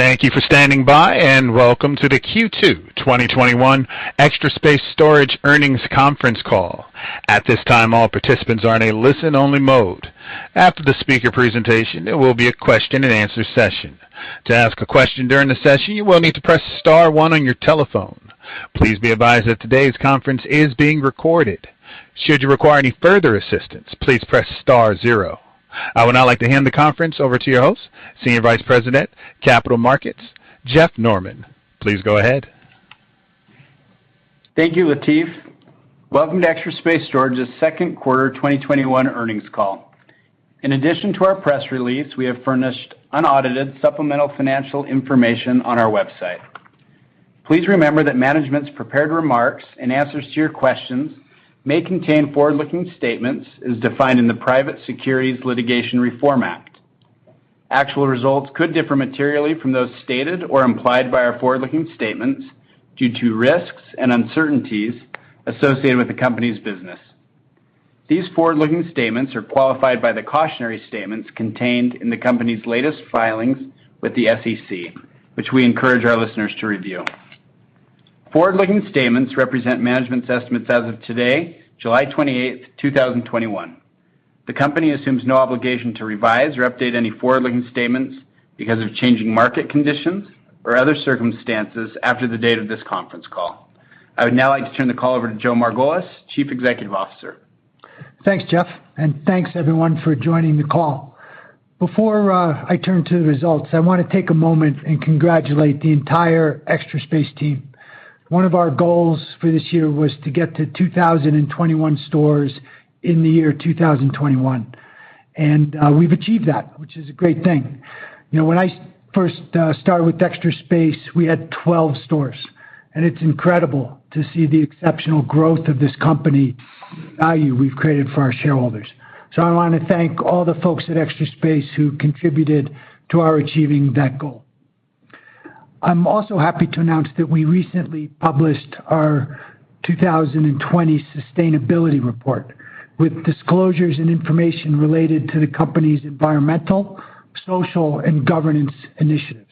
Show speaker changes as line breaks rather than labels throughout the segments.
Thank you for standing by, and welcome to the Q2 2021 Extra Space Storage earnings conference call. I would now like to hand the conference over to your host, Senior Vice President, Capital Markets, Jeff Norman. Please go ahead.
Thank you, Latif. Welcome to Extra Space Storage's second quarter 2021 earnings call. In addition to our press release, we have furnished unaudited supplemental financial information on our website. Please remember that management's prepared remarks and answers to your questions may contain forward-looking statements as defined in the Private Securities Litigation Reform Act. Actual results could differ materially from those stated or implied by our forward-looking statements due to risks and uncertainties associated with the company's business. These forward-looking statements are qualified by the cautionary statements contained in the company's latest filings with the SEC, which we encourage our listeners to review. Forward-looking statements represent management's estimates as of today, July 28th 2021. The company assumes no obligation to revise or update any forward-looking statements because of changing market conditions or other circumstances after the date of this conference call. I would now like to turn the call over to Joseph Margolis, Chief Executive Officer.
Thanks, Jeff, and thanks everyone for joining the call. Before I turn to the results, I want to take a moment and congratulate the entire Extra Space team. One of our goals for this year was to get to 2,021 stores in the year 2021, and we've achieved that, which is a great thing. When I first started with Extra Space, we had 12 stores, and it's incredible to see the exceptional growth of this company and the value we've created for our shareholders. I want to thank all the folks at Extra Space who contributed to our achieving that goal. I'm also happy to announce that we recently published our 2020 sustainability report with disclosures and information related to the company's environmental, social, and governance initiatives.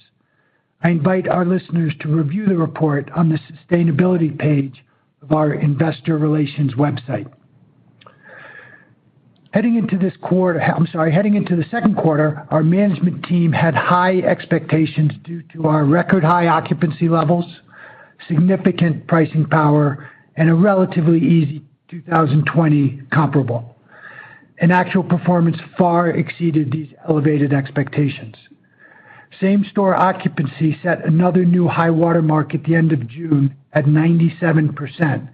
I invite our listeners to review the report on the Sustainability page of our investor relations website. Heading into the second quarter, our management team had high expectations due to our record-high occupancy levels, significant pricing power, and a relatively easy 2020 comparable. Actual performance far exceeded these elevated expectations. Same-store occupancy set another new high water mark at the end of June at 97%,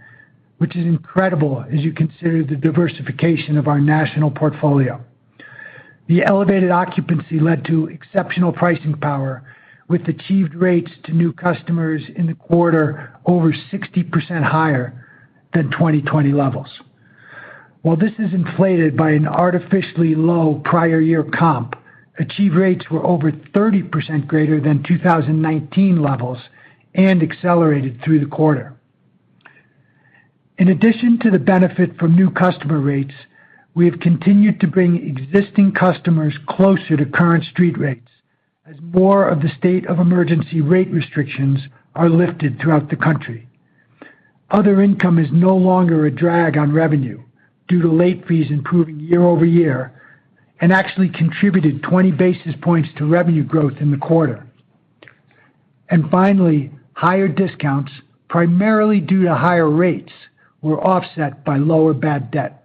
which is incredible as you consider the diversification of our national portfolio. The elevated occupancy led to exceptional pricing power with achieved rates to new customers in the quarter over 60% higher than 2020 levels. While this is inflated by an artificially low prior year comp, achieved rates were over 30% greater than 2019 levels and accelerated through the quarter. In addition to the benefit from new customer rates, we have continued to bring existing customers closer to current street rates as more of the state of emergency rate restrictions are lifted throughout the country. Other income is no longer a drag on revenue due to late-over-year fees improving year-over-year and actually contributed 20 basis points to revenue growth in the quarter. Finally, higher discounts, primarily due to higher rates, were offset by lower bad debt.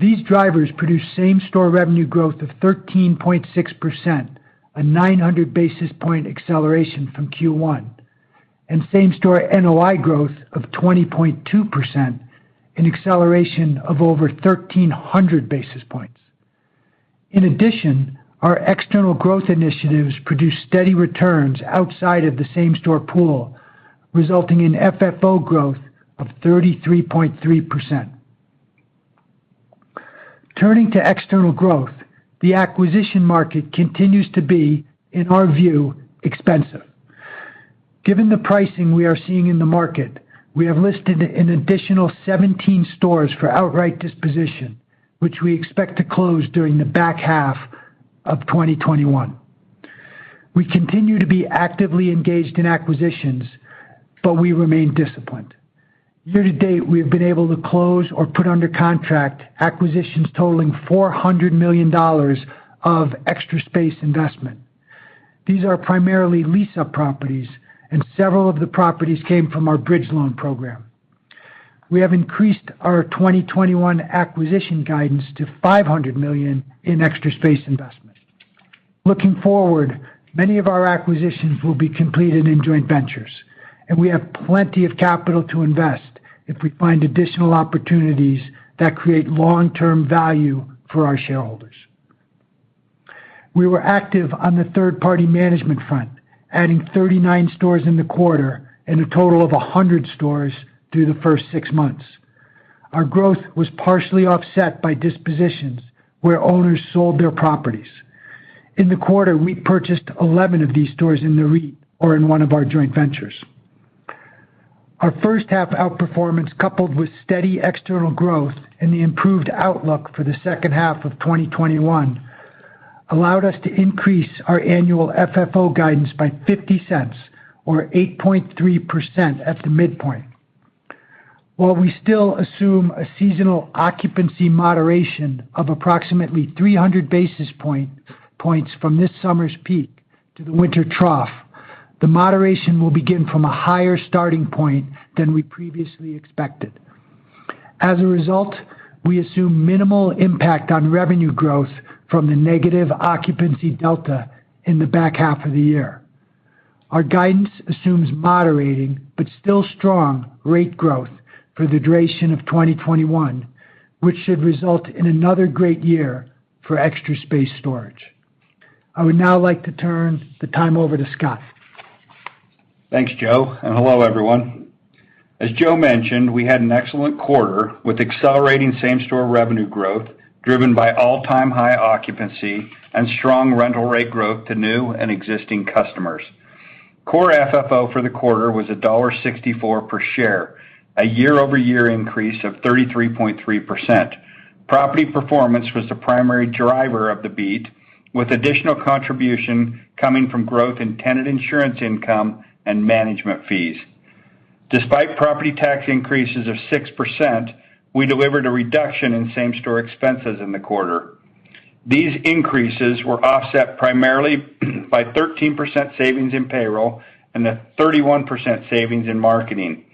These drivers produced same-store revenue growth of 13.6%, a 900 basis point acceleration from Q1, and same-store NOI growth of 20.2%, an acceleration of over 1,300 basis points. In addition, our external growth initiatives produced steady returns outside of the same-store pool, resulting in FFO growth of 33.3%. Turning to external growth, the acquisition market continues to be, in our view, expensive. Given the pricing we are seeing in the market, we have listed an additional 17 stores for outright disposition, which we expect to close during the back half of 2021. We continue to be actively engaged in acquisitions, but we remain disciplined. Year to date, we have been able to close or put under contract acquisitions totaling $400 million of Extra Space investment. These are primarily lease-up properties, and several of the properties came from our bridge loan program. We have increased our 2021 acquisition guidance to $500 million in Extra Space investment. Looking forward, many of our acquisitions will be completed in joint ventures, and we have plenty of capital to invest if we find additional opportunities that create long-term value for our shareholders. We were active on the third-party management front, adding 39 stores in the quarter and a total of 100 stores through the first six months. Our growth was partially offset by dispositions where owners sold their properties. In the quarter, we purchased 11 of these stores in the REIT or in one of our joint ventures. Our first half outperformance, coupled with steady external growth and the improved outlook for the second half of 2021, allowed us to increase our annual FFO guidance by $0.50, or 8.3% at the midpoint. While we still assume a seasonal occupancy moderation of approximately 300 basis points from this summer's peak to the winter trough, the moderation will begin from a higher starting point than we previously expected. As a result, we assume minimal impact on revenue growth from the negative occupancy delta in the back half of the year. Our guidance assumes moderating, but still strong rate growth for the duration of 2021, which should result in another great year for Extra Space Storage. I would now like to turn the time over to Scott.
Thanks, Joe, and hello, everyone. As Joe mentioned, we had an excellent quarter with accelerating same-store revenue growth driven by all-time high occupancy and strong rental rate growth to new and existing customers. Core FFO for the quarter was $1.64 per share, a year-over-year increase of 33.3%. Property performance was the primary driver of the beat, with additional contribution coming from growth in tenant insurance income and management fees. Despite property tax increases of 6%, we delivered a reduction in same-store expenses in the quarter. These increases were offset primarily by 13% savings in payroll and a 31% savings in marketing.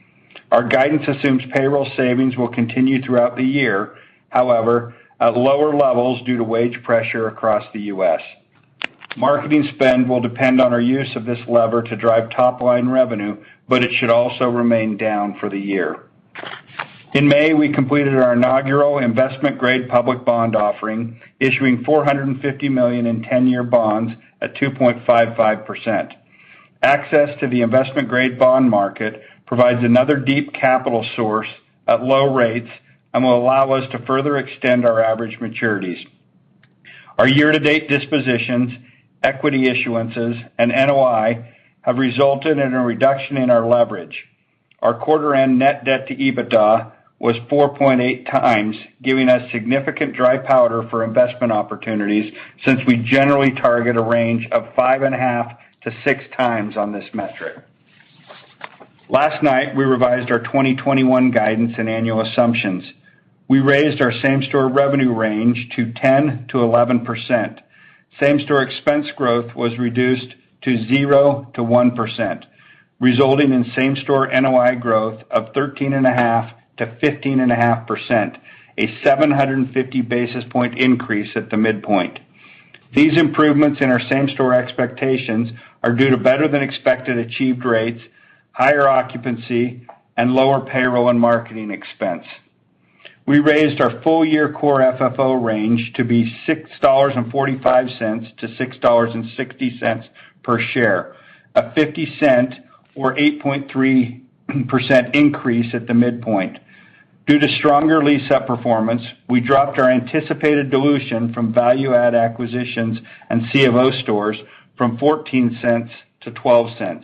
Our guidance assumes payroll savings will continue throughout the year, however, at lower levels due to wage pressure across the U.S. Marketing spend will depend on our use of this lever to drive top-line revenue, but it should also remain down for the year. In May, we completed our inaugural investment-grade public bond offering, issuing $450 million in 10-year bonds at 2.55%. Access to the investment-grade bond market provides another deep capital source at low rates and will allow us to further extend our average maturities. Our year-to-date dispositions, equity issuances, and NOI have resulted in a reduction in our leverage. Our quarter-end net debt to EBITDA was 4.8 times, giving us significant dry powder for investment opportunities, since we generally target a range of 5.5-6 times on this metric. Last night, we revised our 2021 guidance and annual assumptions. We raised our same-store revenue range to 10%-11%. Same-store expense growth was reduced to 0%-1%, resulting in same-store NOI growth of 13.5%-15.5%, a 750 basis point increase at the midpoint. These improvements in our same-store expectations are due to better than expected achieved rates, higher occupancy, and lower payroll and marketing expense. We raised our full-year Core FFO range to be $6.45-$6.60 per share, a $0.50 or 8.3% increase at the midpoint. Due to stronger lease-up performance, we dropped our anticipated dilution from value-add acquisitions and C of O stores from $0.14-$0.12.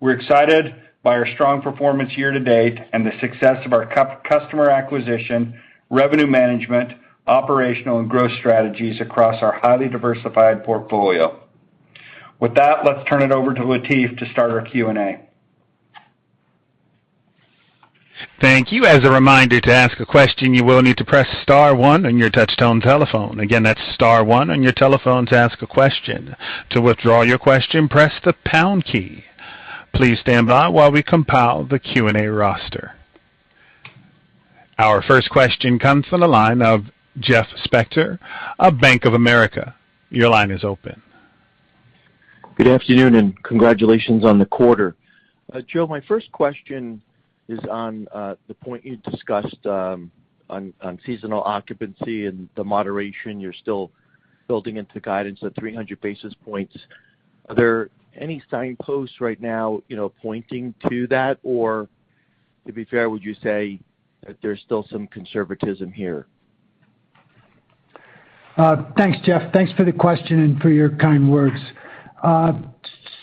We're excited by our strong performance year-to-date and the success of our customer acquisition, revenue management, operational and growth strategies across our highly diversified portfolio. With that, let's turn it over to Latif to start our Q&A.
Thank you. As a reminder, to ask a question, you will need to press star one on your touchtone telephone. Again, that's star one on your telephone to ask a question. To withdraw your question, press the pound key. Please stand by while we compile the Q&A roster. Our first question comes from the line of Jeffrey Spector of Bank of America. Your line is open.
Good afternoon. Congratulations on the quarter. Joe, my first question is on the point you discussed on seasonal occupancy and moderation. You're still building into guidance of 300 basis points. Are there any signposts right now pointing to that? Or to be fair, would you say that there's still some conservatism here?
Thanks, Jeff. Thanks for the question and for your kind words.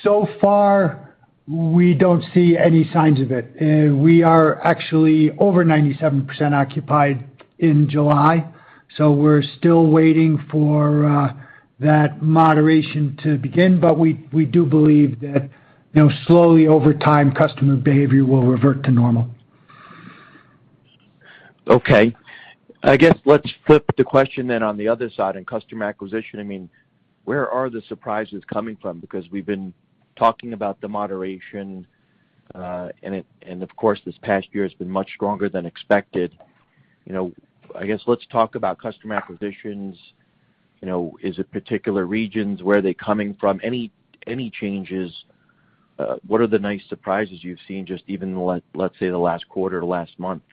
So far, we don't see any signs of it. We are actually over 97% occupied in July, so we're still waiting for that moderation to begin, but we do believe that slowly over time, customer behavior will revert to normal.
I guess let's flip the question then on the other side. In customer acquisition, where are the surprises coming from? We've been talking about the moderation, and of course, this past year has been much stronger than expected. I guess let's talk about customer acquisitions. Is it particular regions? Where are they coming from? Any changes? What are the nice surprises you've seen just even, let's say, the last quarter or last month?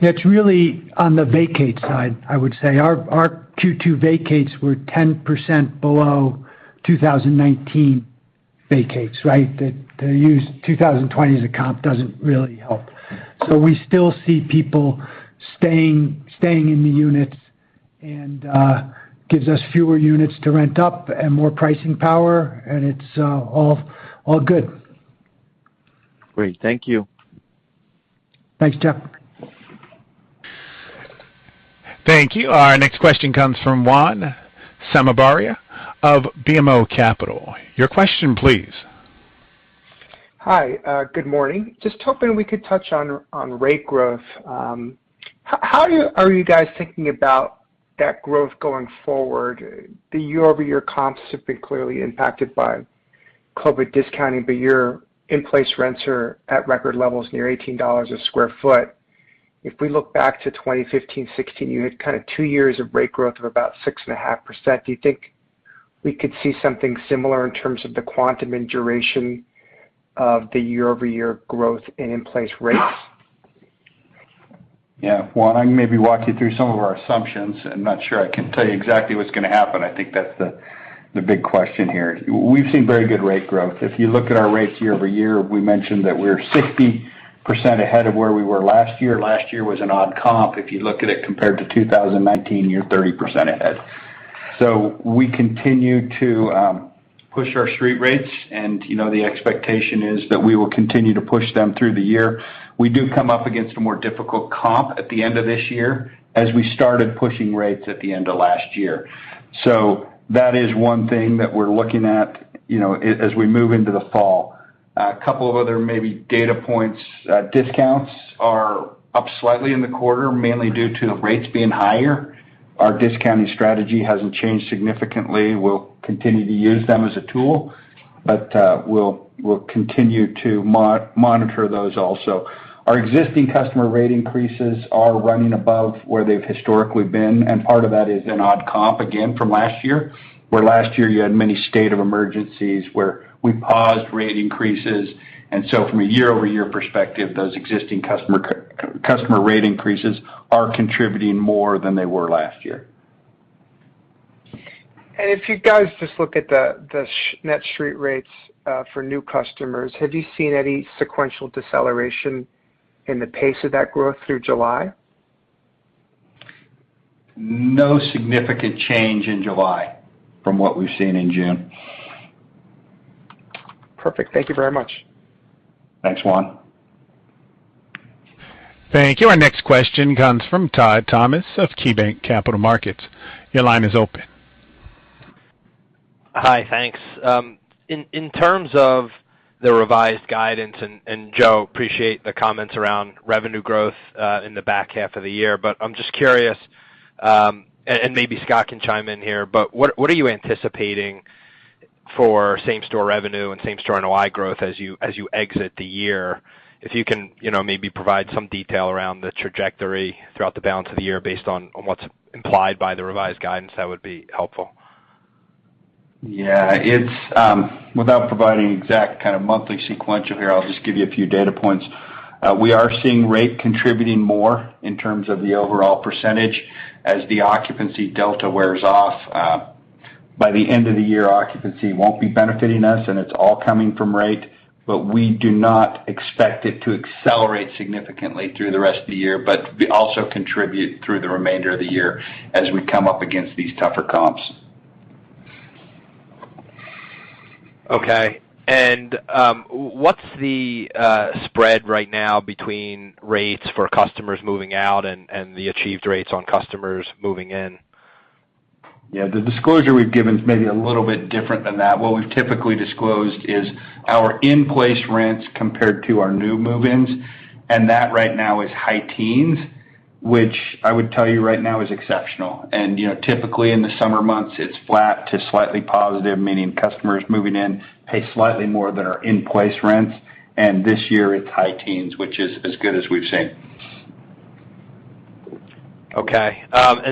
It's really on the vacate side, I would say. Our Q2 vacates were 10% below 2019 vacates, right? To use 2020 as a comp doesn't really help. We still see people staying in the units and gives us fewer units to rent up and more pricing power, and it's all good.
Great. Thank you.
Thanks, Jeff.
Thank you. Our next question comes from Juan Sanabria of BMO Capital. Your question, please.
Hi. Good morning. Just hoping we could touch on rate growth. How are you guys thinking about that growth going forward? The year-over-year comps have been clearly impacted by COVID discounting, your in-place rents are at record levels near $18 a square foot. If we look back to 2015, 2016, you had kind of two years of rate growth of about 6.5%. Do you think we could see something similar in terms of the quantum and duration of the year-over-year growth in in-place rates?
Yeah. Juan, I can maybe walk you through some of our assumptions. I'm not sure I can tell you exactly what's going to happen. I think that's the big question here. We've seen very good rate growth. If you look at our rates year-over-year, we mentioned that we're 60% ahead of where we were last year. Last year was an odd comp. If you look at it compared to 2019, you're 30% ahead. We continue to push our street rates, and the expectation is that we will continue to push them through the year. We do come up against a more difficult comp at the end of this year, as we started pushing rates at the end of last year. That is one thing that we're looking at as we move into the fall. A couple of other maybe data points. Discounts are up slightly in the quarter, mainly due to the rates being higher. Our discounting strategy hasn't changed significantly. We'll continue to use them as a tool. We'll continue to monitor those also. Our existing customer rate increases are running above where they've historically been, and part of that is an odd comp, again, from last year, where last year you had many state of emergencies where we paused rate increases, and so from a year-over-year perspective, those existing customer rate increases are contributing more than they were last year.
If you guys just look at the net street rates for new customers, have you seen any sequential deceleration in the pace of that growth through July?
No significant change in July from what we've seen in June.
Perfect. Thank you very much.
Thanks, Juan.
Thank you. Our next question comes from Todd Thomas of KeyBanc Capital Markets. Your line is open.
Hi. Thanks. In terms of the revised guidance, and Joe, appreciate the comments around revenue growth in the back half of the year, but I'm just curious, and maybe Scott can chime in here, but what are you anticipating for same-store revenue and same-store NOI growth as you exit the year? If you can maybe provide some detail around the trajectory throughout the balance of the year based on what's implied by the revised guidance, that would be helpful.
Yeah. Without providing exact kind of monthly sequential here, I'll just give you a few data points. We are seeing rate contributing more in terms of the overall percentage as the occupancy delta wears off. By the end of the year, occupancy won't be benefiting us, and it's all coming from rate, but we do not expect it to accelerate significantly through the rest of the year, but also contribute through the remainder of the year as we come up against these tougher comps.
Okay. What's the spread right now between rates for customers moving out and the achieved rates on customers moving in?
Yeah. The disclosure we've given is maybe a little bit different than that. What we've typically disclosed is our in-place rents compared to our new move-ins, and that right now is high teens, which I would tell you right now is exceptional. Typically in the summer months, it's flat to slightly positive, meaning customers moving in pay slightly more than our in-place rents. This year it's high teens, which is as good as we've seen.
Okay.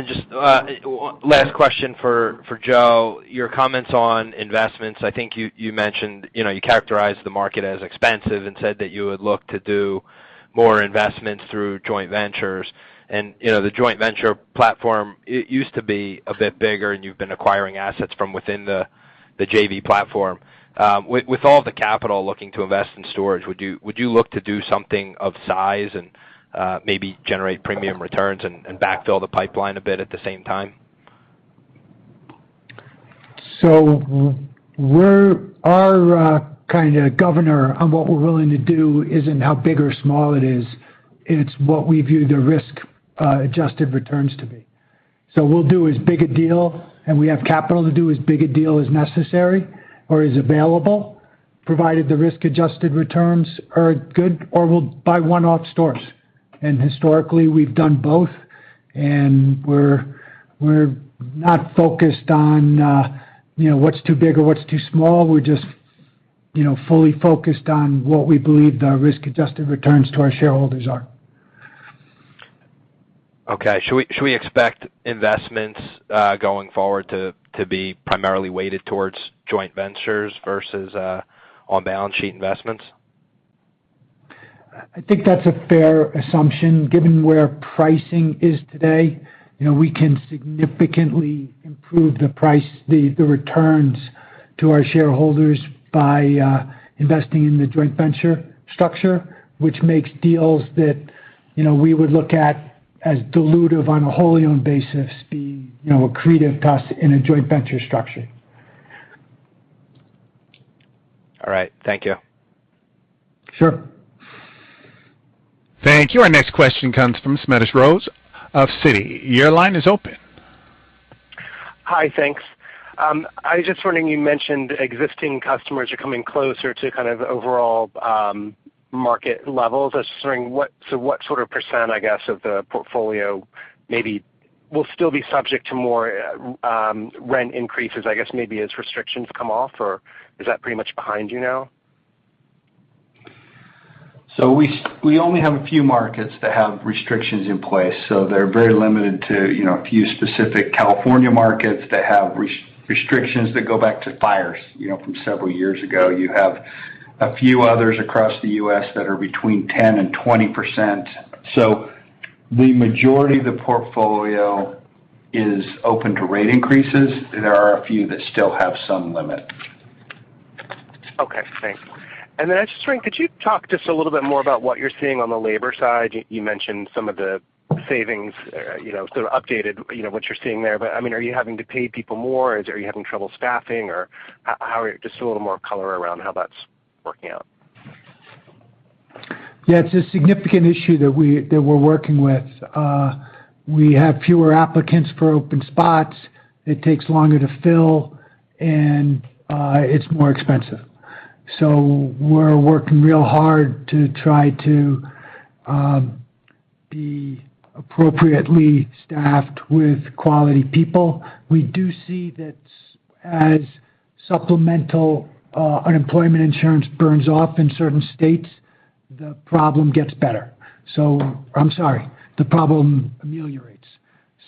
Just last question for Joe. Your comments on investments, I think you mentioned you characterized the market as expensive and said that you would look to do more investments through joint ventures. The joint venture platform, it used to be a bit bigger, and you've been acquiring assets from within the JV platform. With all the capital looking to invest in storage, would you look to do something of size and maybe generate premium returns and backfill the pipeline a bit at the same time?
Our kind of governor on what we're willing to do isn't how big or small it is, it's what we view the risk-adjusted returns to be. We'll do as big a deal, and we have capital to do as big a deal as necessary or is available, provided the risk-adjusted returns are good, or we'll buy one-off stores. Historically, we've done both, and we're not focused on what's too big or what's too small. We're just fully focused on what we believe the risk-adjusted returns to our shareholders are.
Okay. Should we expect investments going forward to be primarily weighted towards joint ventures versus on-balance-sheet investments?
I think that's a fair assumption given where pricing is today. We can significantly improve the returns to our shareholders by investing in the joint venture structure, which makes deals that we would look at as dilutive on a wholly owned basis being accretive to us in a joint venture structure.
All right. Thank you.
Sure.
Thank you. Our next question comes from Smedes Rose of Citi. Your line is open.
Hi, thanks. I was just wondering, you mentioned existing customers are coming closer to kind of overall market levels. I was just wondering, what sort of percent, I guess, of the portfolio maybe will still be subject to more rent increases, I guess maybe as restrictions come off, or is that pretty much behind you now?
We only have a few markets that have restrictions in place, so they're very limited to a few specific California markets that have restrictions that go back to fires from several years ago. You have a few others across the U.S. that are between 10% and 20%. The majority of the portfolio is open to rate increases. There are a few that still have some limit.
Okay, thanks. I just wondering, could you talk just a little bit more about what you're seeing on the labor side? You mentioned some of the savings, sort of updated what you're seeing there. I mean, are you having to pay people more? Are you having trouble staffing, or just a little more color around how that's working out?
Yeah, it's a significant issue that we're working with. We have fewer applicants for open spots. It takes longer to fill, and it's more expensive. We're working real hard to try to be appropriately staffed with quality people. We do see that as supplemental unemployment insurance burns off in certain states, the problem gets better. I'm sorry, the problem ameliorates.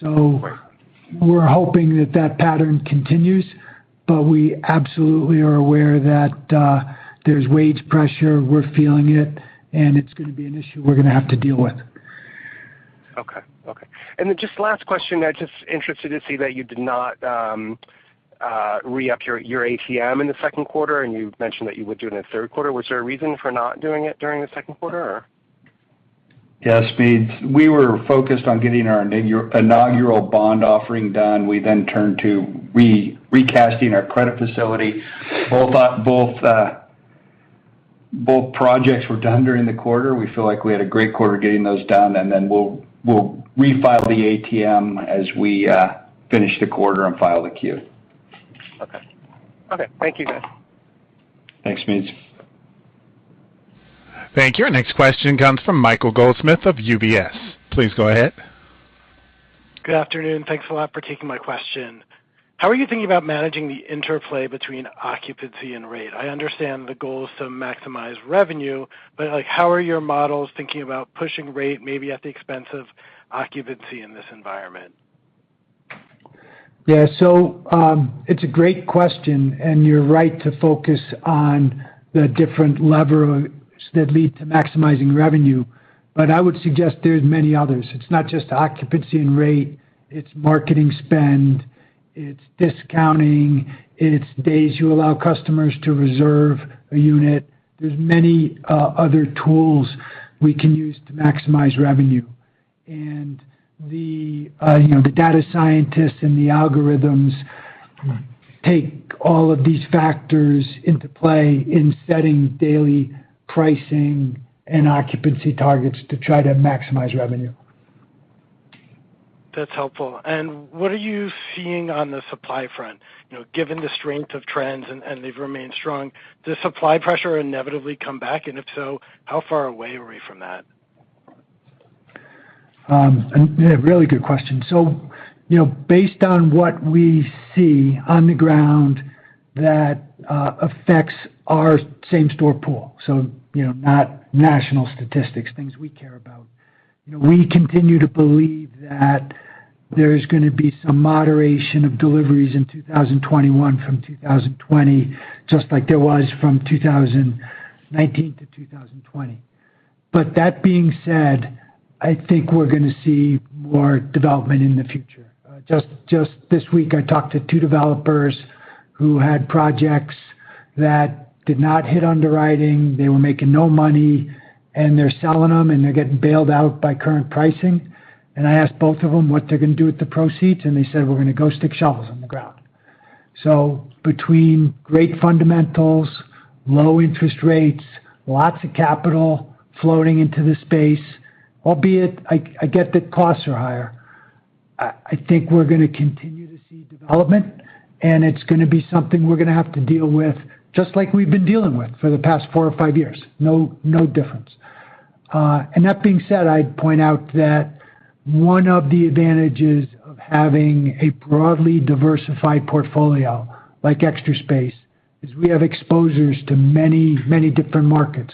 We're hoping that that pattern continues, but we absolutely are aware that there's wage pressure. We're feeling it, and it's going to be an issue we're going to have to deal with.
Okay. Just last question. I'm just interested to see that you did not re-up your ATM in the second quarter, and you mentioned that you would do it in the third quarter. Was there a reason for not doing it during the second quarter, or?
Yeah, Smedes. We were focused on getting our inaugural bond offering done. We turned to recasting our credit facility. Both projects were done during the quarter. We feel like we had a great quarter getting those done. We'll refile the ATM as we finish the quarter and file the Q.
Okay. Thank you, guys.
Thanks, Smedes.
Thank you. Our next question comes from Michael Goldsmith of UBS. Please go ahead.
Good afternoon. Thanks a lot for taking my question. How are you thinking about managing the interplay between occupancy and rate? I understand the goal is to maximize revenue, but how are your models thinking about pushing rate maybe at the expense of occupancy in this environment?
It's a great question, and you're right to focus on the different levers that lead to maximizing revenue. I would suggest there's many others. It's not just occupancy and rate, it's marketing spend, it's discounting, it's days you allow customers to reserve a unit. There's many other tools we can use to maximize revenue. The data scientists and the algorithms take all of these factors into play in setting daily pricing and occupancy targets to try to maximize revenue.
That's helpful. What are you seeing on the supply front? Given the strength of trends, and they've remained strong, does supply pressure inevitably come back? If so, how far away are we from that?
A really good question. Based on what we see on the ground that affects our same-store pool, not national statistics, things we care about. We continue to believe that there's going to be some moderation of deliveries in 2021 from 2020, just like there was from 2019 to 2020. That being said, I think we're going to see more development in the future. Just this week, I talked to two developers who had projects that did not hit underwriting. They were making no money, and they're selling them, and they're getting bailed out by current pricing. I asked both of them what they're going to do with the proceeds, and they said, "We're going to go stick shovels in the ground." Between great fundamentals, low interest rates, lots of capital floating into the space, albeit I get that costs are higher, I think we're going to continue to see development, and it's going to be something we're going to have to deal with, just like we've been dealing with for the past four or five years. No difference. That being said, I'd point out that one of the advantages of having a broadly diversified portfolio like Extra Space is we have exposures to many, many different markets,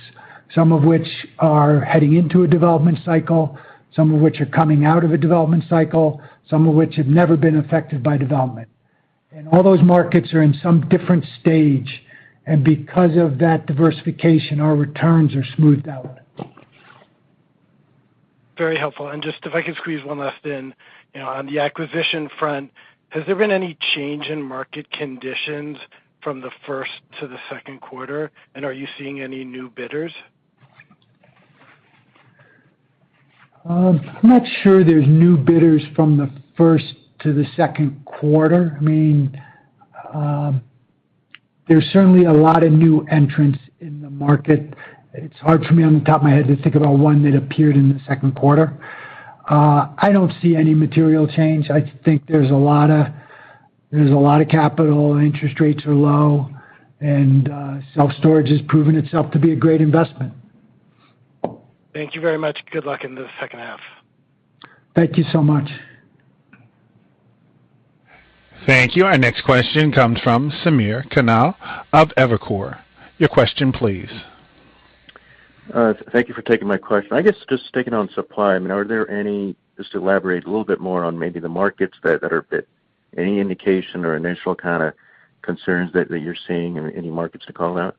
some of which are heading into a development cycle, some of which are coming out of a development cycle, some of which have never been affected by development. All those markets are in some different stage. Because of that diversification, our returns are smoothed out.
Very helpful. Just if I can squeeze one last in. On the acquisition front, has there been any change in market conditions from the first to the second quarter, and are you seeing any new bidders?
I'm not sure there's new bidders from the first to the second quarter. There's certainly a lot of new entrants in the market. It's hard for me, on the top of my head, to think about one that appeared in the second quarter. I don't see any material change. I think there's a lot of capital, interest rates are low, and self-storage has proven itself to be a great investment.
Thank you very much. Good luck in the second half.
Thank you so much.
Thank you. Our next question comes from Samir Khanal of Evercore. Your question, please.
Thank you for taking my question. I guess just sticking on supply, just to elaborate a little bit more on maybe the markets. Any indication or initial kind of concerns that you're seeing or any markets to call out?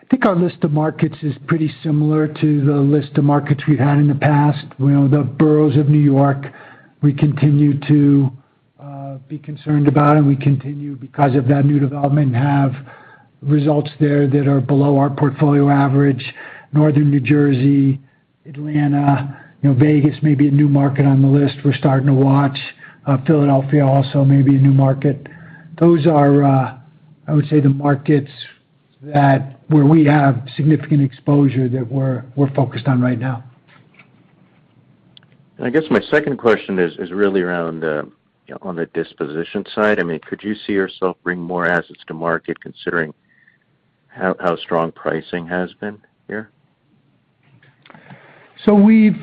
I think our list of markets is pretty similar to the list of markets we've had in the past. The boroughs of New York we continue to be concerned about, and we continue, because of that new development, have results there that are below our portfolio average. Northern New Jersey, Atlanta, Vegas, maybe a new market on the list we're starting to watch. Philadelphia also may be a new market. Those are, I would say, the markets where we have significant exposure that we're focused on right now.
I guess my second question is really around on the disposition side. Could you see yourself bringing more assets to market, considering how strong pricing has been here?
We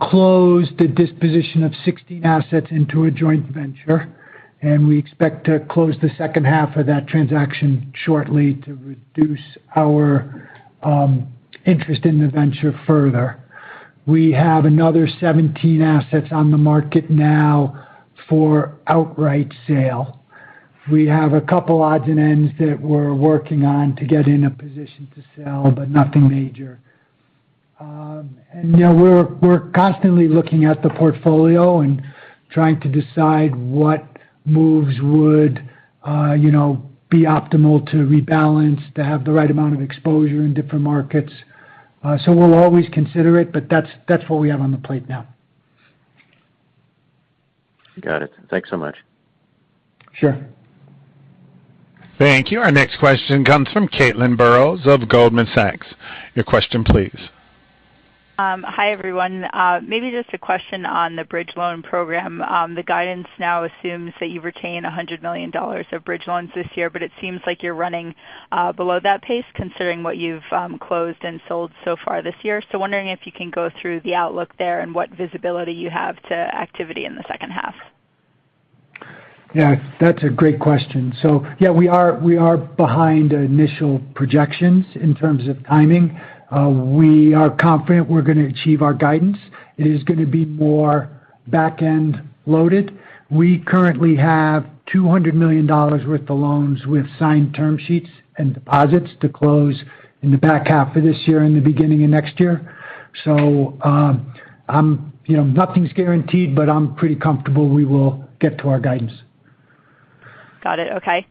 closed a disposition of 16 assets into a joint venture, and we expect to close the second half of that transaction shortly to reduce our interest in the venture further. We have another 17 assets on the market now for outright sale. We have a couple odds and ends that we're working on to get in a position to sell, but nothing major. We're constantly looking at the portfolio and trying to decide what moves would be optimal to rebalance to have the right amount of exposure in different markets. We'll always consider it, but that's what we have on the plate now.
Got it. Thanks so much.
Sure.
Thank you. Our next question comes from Caitlin Burrows of Goldman Sachs. Your question, please.
Hi, everyone. Maybe just a question on the bridge loan program. The guidance now assumes that you retain $100 million of bridge loans this year, but it seems like you're running below that pace, considering what you've closed and sold so far this year. Wondering if you can go through the outlook there and what visibility you have to activity in the second half.
Yeah, that's a great question. Yeah, we are behind initial projections in terms of timing. We are confident we're going to achieve our guidance. It is going to be more back-end loaded. We currently have $200 million worth of loans with signed term sheets and deposits to close in the back half of this year and the beginning of next year. Nothing's guaranteed, but I'm pretty comfortable we will get to our guidance.
Got it. Okay.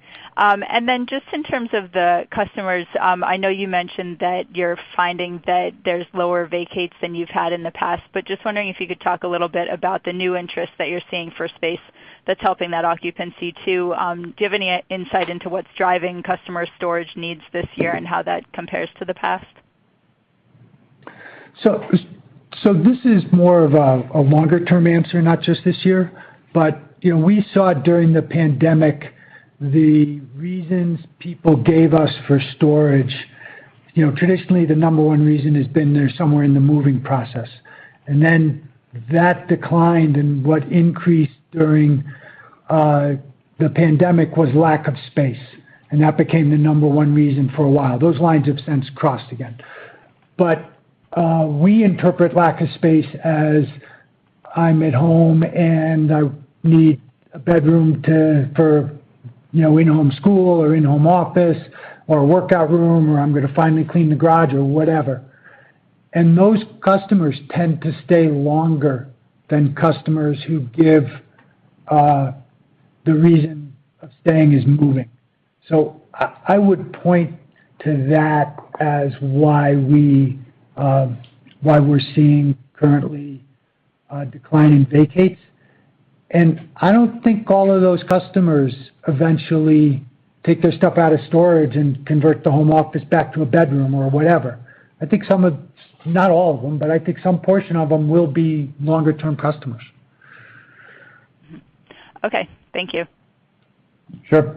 Just in terms of the customers, I know you mentioned that you're finding that there's lower vacates than you've had in the past, just wondering if you could talk a little bit about the new interest that you're seeing for space that's helping that occupancy too. Do you have any insight into what's driving customer storage needs this year and how that compares to the past?
This is more of a longer-term answer, not just this year. We saw during the pandemic the reasons people gave us for storage. Traditionally, the number one reason has been they're somewhere in the moving process. That declined, and what increased during the pandemic was lack of space, and that became the number one reason for a while. Those lines have since crossed again. We interpret lack of space as, I'm at home and I need a bedroom for in-home school or in-home office or a workout room, or I'm going to finally clean the garage or whatever. Those customers tend to stay longer than customers who give the reason of staying as moving. I would point to that as why we're seeing currently a decline in vacates. I don't think all of those customers eventually take their stuff out of storage and convert the home office back to a bedroom or whatever. I think some of, not all of them, but I think some portion of them will be longer-term customers.
Okay. Thank you.
Sure.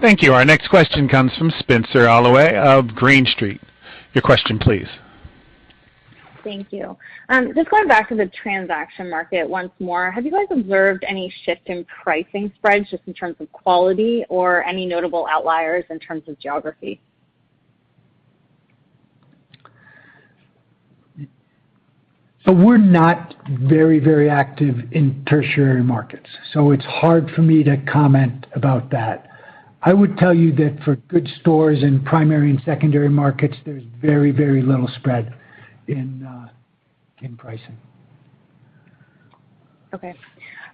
Thank you. Our next question comes from Spenser Allaway of Green Street. Your question, please.
Thank you. Just going back to the transaction market once more, have you guys observed any shift in pricing spreads just in terms of quality or any notable outliers in terms of geography?
We're not very active in tertiary markets. It's hard for me to comment about that. I would tell you that for good stores in primary and secondary markets, there's very little spread in pricing.
Okay.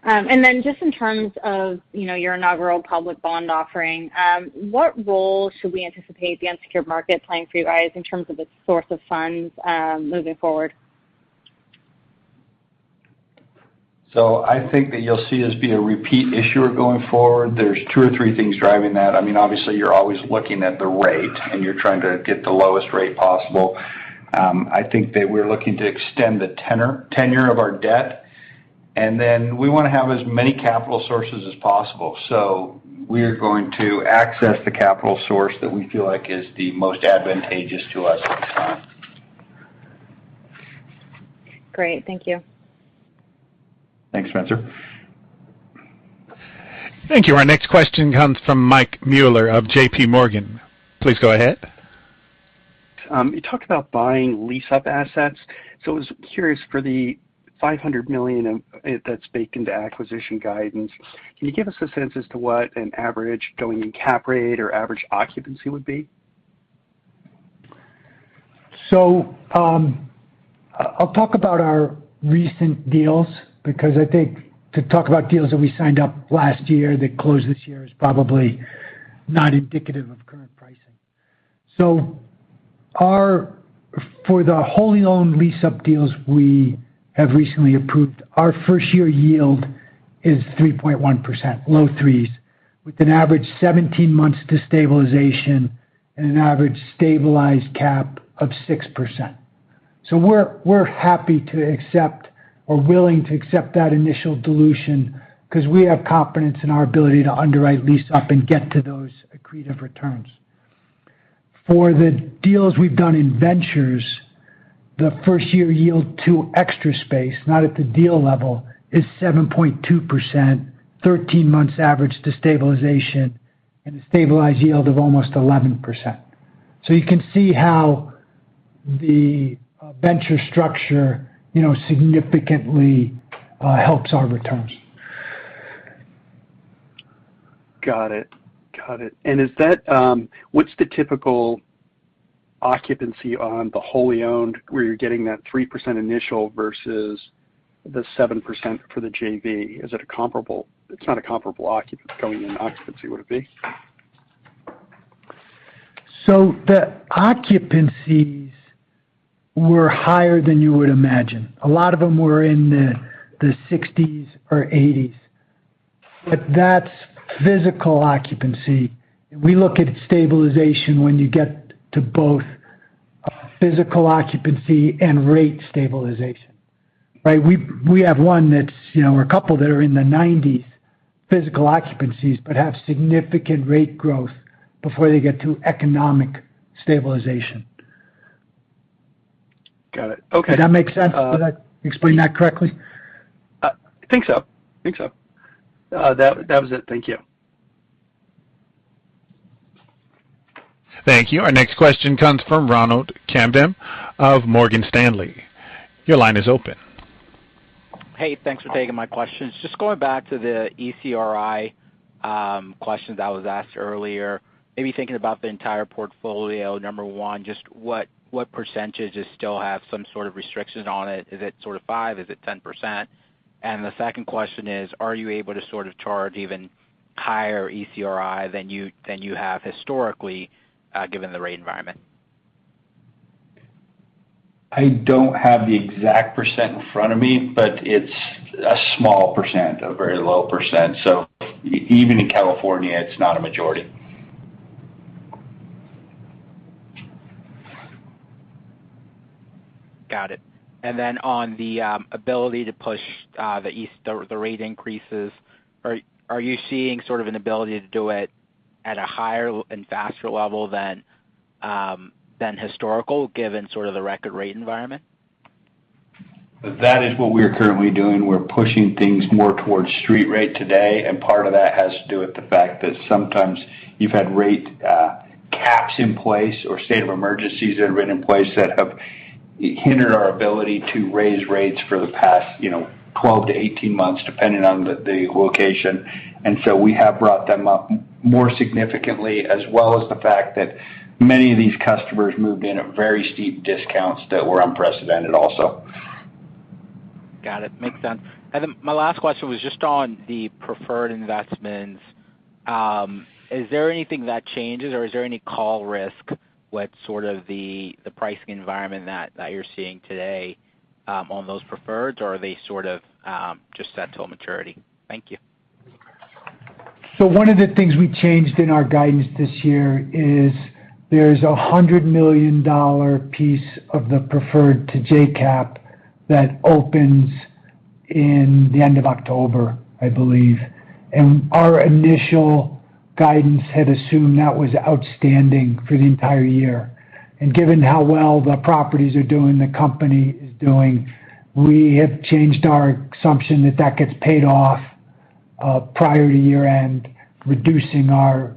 Then just in terms of your inaugural public bond offering, what role should we anticipate the unsecured market playing for you guys in terms of its source of funds, moving forward?
I think that you'll see us be a repeat issuer going forward. There's two or three things driving that. Obviously, you're always looking at the rate, and you're trying to get the lowest rate possible. I think that we're looking to extend the tenure of our debt, and then we want to have as many capital sources as possible. We're going to access the capital source that we feel like is the most advantageous to us at the time.
Great. Thank you.
Thanks, Spenser.
Thank you. Our next question comes from Michael Mueller of JPMorgan. Please go ahead.
You talked about buying lease-up assets. I was curious for the $500 million that's baked into acquisition guidance, can you give us a sense as to what an average going-in cap rate or average occupancy would be?
I'll talk about our recent deals because I think to talk about deals that we signed up last year that closed this year is probably not indicative of current pricing. For the wholly owned lease-up deals we have recently approved, our first-year yield is 3.1%, low threes, with an average 17 months to stabilization and an average stabilized cap of 6%. We're happy to accept or willing to accept that initial dilution because we have confidence in our ability to underwrite lease-up and get to those accretive returns. For the deals we've done in ventures, the first-year yield to Extra Space, not at the deal level, is 7.2%, 13 months average to stabilization, and a stabilized yield of almost 11%. You can see how the venture structure significantly helps our returns.
Got it. What's the typical occupancy on the wholly owned, where you're getting that 3% initial versus the 7% for the JV? Is it a comparable? It's not a comparable occupancy, would it be?
The occupancies were higher than you would imagine. A lot of them were in the 60s or 80s, but that's physical occupancy. We look at stabilization when you get to both physical occupancy and rate stabilization, right? We have 1 or a couple that are in the 90s physical occupancies but have significant rate growth before they get to economic stabilization.
Got it. Okay.
Does that make sense? Did I explain that correctly?
I think so. That was it. Thank you.
Thank you. Our next question comes from Ronald Kamdem of Morgan Stanley. Your line is open.
Hey, thanks for taking my questions. Just going back to the ECRI questions that was asked earlier, maybe thinking about the entire portfolio. Number one, just what percentages still have some sort of restriction on it? Is it 5%? Is it 10%? The second question is, are you able to sort of charge even higher ECRI than you have historically, given the rate environment?
I don't have the exact percent in front of me, but it's a small percent, a very low percent. Even in California, it's not a majority.
Got it. On the ability to push the rate increases, are you seeing sort of an ability to do it at a higher and faster level than historical, given sort of the record rate environment?
That is what we are currently doing. We're pushing things more towards street rate today, and part of that has to do with the fact that sometimes you've had rate caps in place or state of emergencies that have been in place that have hindered our ability to raise rates for the past 12-18 months, depending on the location. We have brought them up more significantly, as well as the fact that many of these customers moved in at very steep discounts that were unprecedented also.
Got it. Makes sense. My last question was just on the preferred investments. Is there anything that changes or is there any call risk with sort of the pricing environment that you're seeing today on those preferreds, or are they sort of just set till maturity? Thank you.
One of the things we changed in our guidance this year is there's a $100 million piece of the preferred to JCAP that opens in the end of October, I believe. Our initial guidance had assumed that was outstanding for the entire year. Given how well the properties are doing, the company is doing, we have changed our assumption that that gets paid off prior to year-end, reducing our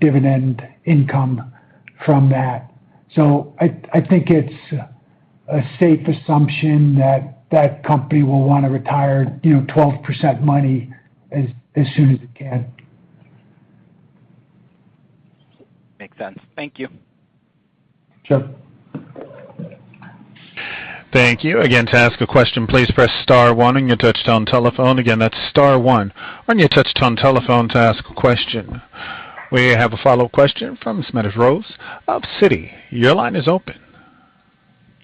dividend income from that. I think it's a safe assumption that that company will want to retire 12% money as soon as it can.
Makes sense. Thank you.
Sure.
Thank you. Again, to ask a question, please press star one on your touch-tone telephone. Again, that's star one on your touch-tone telephone to ask a question. We have a follow-up question from Smedes Rose of Citi. Your line is open.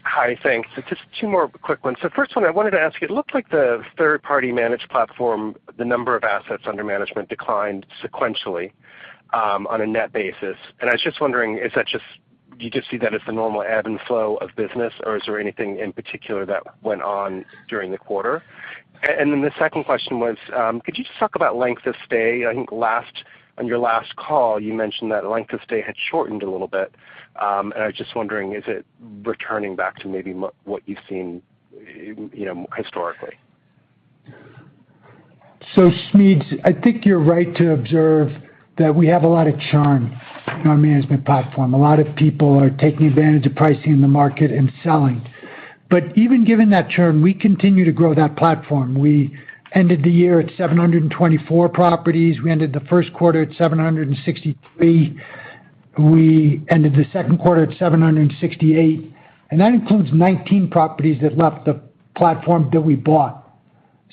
Hi. Thanks. Just two more quick ones. First one I wanted to ask you, it looked like the third-party managed platform, the number of assets under management declined sequentially on a net basis. I was just wondering, do you just see that as the normal ebb and flow of business, or is there anything in particular that went on during the quarter? The 2nd question was, could you just talk about length of stay? I think on your last call, you mentioned that length of stay had shortened a little bit. I was just wondering, is it returning back to maybe what you've seen historically?
Smedes, I think you're right to observe that we have a lot of churn in our management platform. A lot of people are taking advantage of pricing in the market and selling. Even given that churn, we continue to grow that platform. We ended the year at 724 properties. We ended the first quarter at 763. We ended the second quarter at 768, and that includes 19 properties that left the platform that we bought.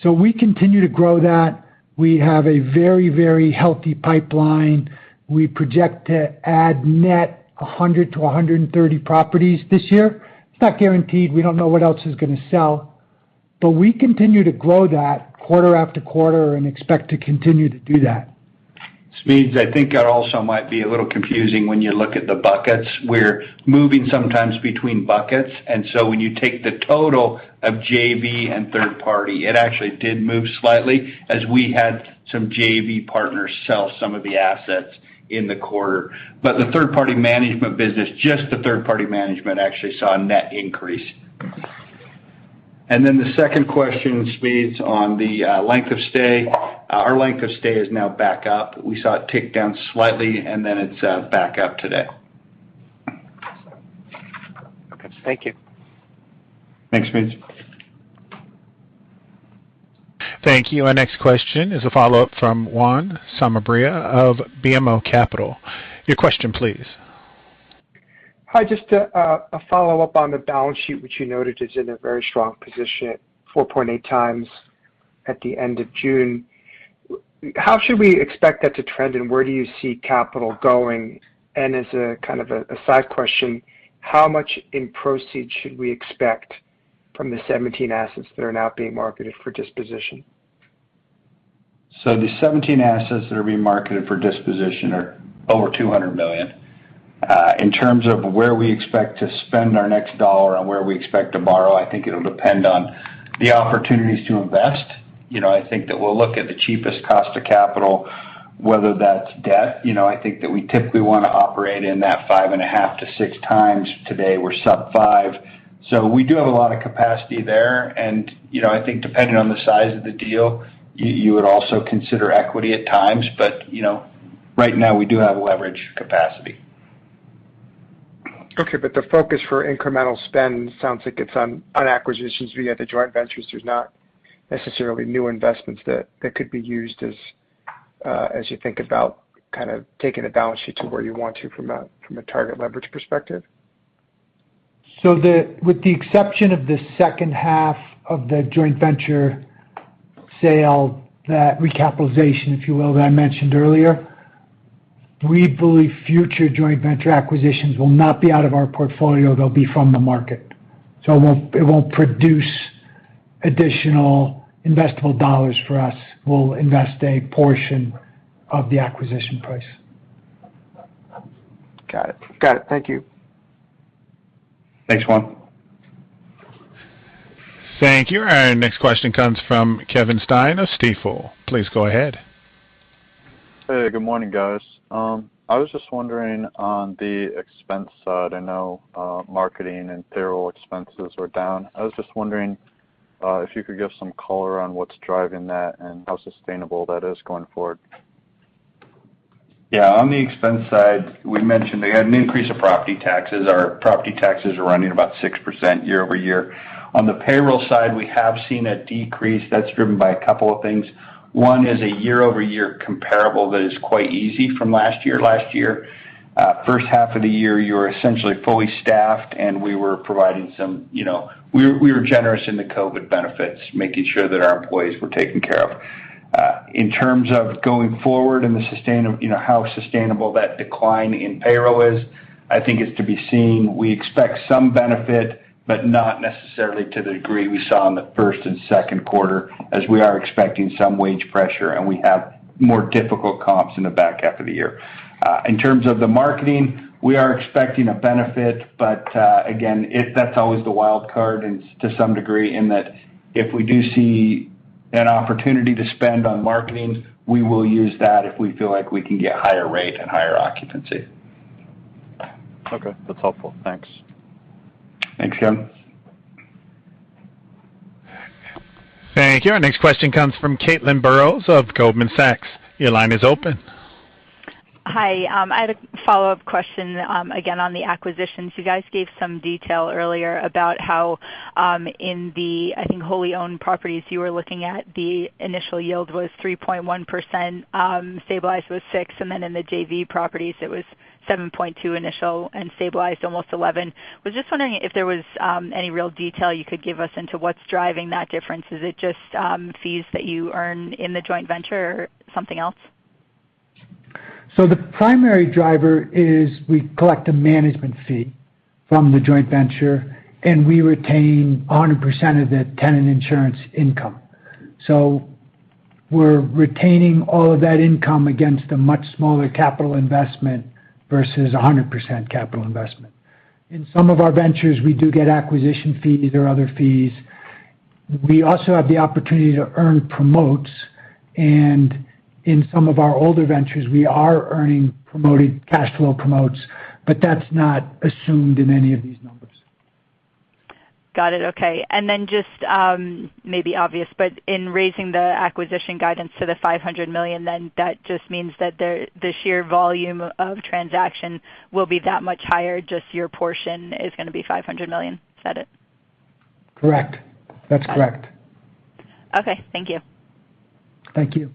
We continue to grow that. We have a very healthy pipeline. We project to add net 100-130 properties this year. It's not guaranteed. We don't know what else is going to sell, but we continue to grow that quarter after quarter and expect to continue to do that.
Smedes, I think it also might be a little confusing when you look at the buckets. We're moving sometimes between buckets, and so when you take the total of JV and third party, it actually did move slightly as we had some JV partners sell some of the assets in the quarter. The third-party management business, just the third-party management, actually saw a net increase. The second question, Smedes, on the length of stay. Our length of stay is now back up. We saw it tick down slightly, and then it's back up today.
Okay. Thank you.
Thanks, Smedes.
Thank you. Our next question is a follow-up from Juan Sanabria of BMO Capital. Your question, please.
Hi, just a follow-up on the balance sheet, which you noted is in a very strong position, 4.8 times at the end of June. How should we expect that to trend, and where do you see capital going? As a kind of a side question, how much in proceeds should we expect from the 17 assets that are now being marketed for disposition?
The 17 assets that are being marketed for disposition are over $200 million. In terms of where we expect to spend our next dollar and where we expect to borrow, I think it'll depend on the opportunities to invest. I think that we'll look at the cheapest cost of capital, whether that's debt. I think that we typically want to operate in that five and a half to six times. Today, we're sub five. We do have a lot of capacity there, and I think depending on the size of the deal, you would also consider equity at times. Right now, we do have leverage capacity.
Okay, the focus for incremental spend sounds like it's on acquisitions via the joint ventures. There's not necessarily new investments that could be used as you think about kind of taking the balance sheet to where you want to from a target leverage perspective.
With the exception of the second half of the joint venture sale, that recapitalization, if you will, that I mentioned earlier, we believe future joint venture acquisitions will not be out of our portfolio. They'll be from the market. It won't produce additional investable dollars for us. We'll invest a portion of the acquisition price.
Got it. Thank you.
Thanks, Juan.
Thank you. Our next question comes from Kevin Stein of Stifel. Please go ahead.
Hey, good morning, guys. I was just wondering on the expense side, I know marketing and payroll expenses were down. I was just wondering if you could give some color on what's driving that and how sustainable that is going forward?
On the expense side, we mentioned we had an increase of property taxes. Our property taxes are running about 6% year-over-year. On the payroll side, we have seen a decrease that's driven by a couple of things. One is a year-over-year comparable that is quite easy from last year. Last year, first half of the year, you were essentially fully staffed, and we were generous in the COVID benefits, making sure that our employees were taken care of. In terms of going forward and how sustainable that decline in payroll is, I think is to be seen. We expect some benefit, but not necessarily to the degree we saw in the first and second quarter as we are expecting some wage pressure, and we have more difficult comps in the back half of the year. In terms of the marketing, we are expecting a benefit, but again, that's always the wild card to some degree in that if we do see an opportunity to spend on marketing, we will use that if we feel like we can get higher rate and higher occupancy.
Okay. That's helpful. Thanks.
Thanks, Stein.
Thank you. Our next question comes from Caitlin Burrows of Goldman Sachs. Your line is open.
Hi. I had a follow-up question, again, on the acquisitions. You guys gave some detail earlier about how, in the, I mean, wholly owned properties you were looking at, the initial yield was 3.1%, stabilized was six, and then in the JV properties, it was 7.2 initial and stabilized almost 11. Was just wondering if there was any real detail you could give us into what's driving that difference. Is it just fees that you earn in the joint venture or something else?
The primary driver is we collect a management fee from the joint venture, and we retain 100% of the tenant insurance income. We're retaining all of that income against a much smaller capital investment versus 100% capital investment. In some of our ventures, we do get acquisition fees or other fees. We also have the opportunity to earn promotes, and in some of our older ventures, we are earning cash flow promotes, but that's not assumed in any of these numbers.
Got it. Okay. Just maybe obvious, but in raising the acquisition guidance to the $500 million, then that just means that the sheer volume of transaction will be that much higher, just your portion is going to be $500 million. Is that it?
Correct. That's correct.
Okay. Thank you.
Thank you.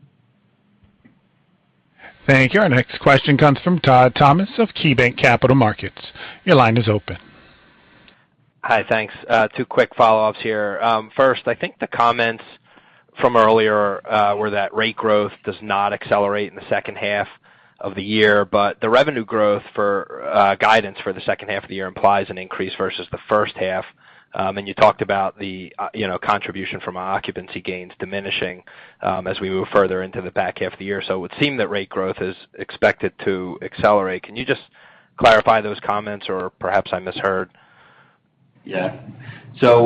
Thank you. Our next question comes from Todd Thomas of KeyBanc Capital Markets. Your line is open.
Hi. Thanks. Two quick follow-ups here. I think the comments from earlier were that rate growth does not accelerate in the second half of the year, the revenue growth for guidance for the second half of the year implies an increase versus the first half. You talked about the contribution from occupancy gains diminishing as we move further into the back half of the year. It would seem that rate growth is expected to accelerate. Can you just clarify those comments, perhaps I misheard?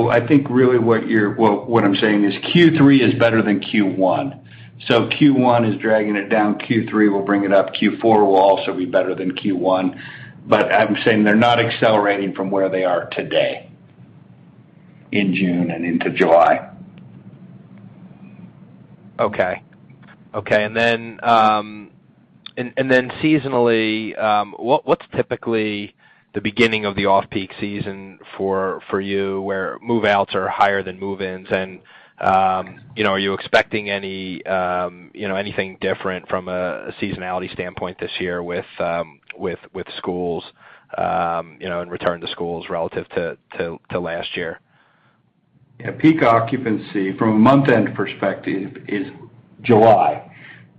I think really what I'm saying is Q3 is better than Q1. Q1 is dragging it down, Q3 will bring it up. Q4 will also be better than Q1, but I'm saying they're not accelerating from where they are today in June and into July.
Okay. Then seasonally, what's typically the beginning of the off-peak season for you, where move-outs are higher than move-ins? Are you expecting anything different from a seasonality standpoint this year with schools, and return to schools relative to last year?
Yeah. Peak occupancy from a month-end perspective is July.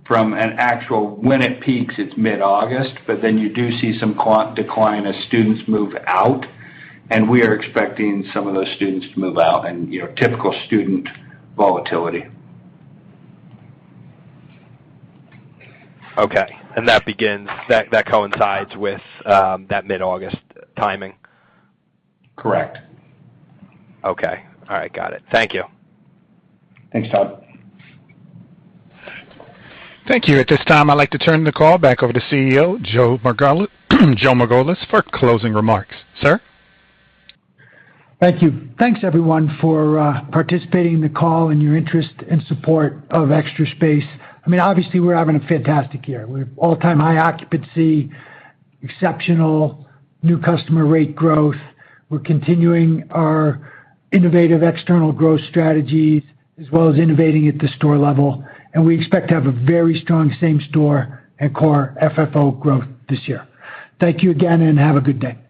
From an actual when it peaks, it's mid-August. You do see some decline as students move out. We are expecting some of those students to move out and typical student volatility.
Okay. That coincides with that mid-August timing?
Correct.
Okay. All right. Got it. Thank you.
Thanks, Todd.
Thank you. At this time, I'd like to turn the call back over to CEO, Joe Margolis, for closing remarks. Sir?
Thank you. Thanks, everyone, for participating in the call and your interest and support of Extra Space. Obviously, we're having a fantastic year. We have all-time high occupancy, exceptional new customer rate growth. We're continuing our innovative external growth strategies, as well as innovating at the store level. We expect to have a very strong same store and Core FFO growth this year. Thank you again. Have a good day.